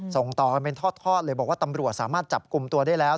ส่งต่อกันเป็นทอดเลยบอกว่าตำรวจสามารถจับกลุ่มตัวได้แล้ว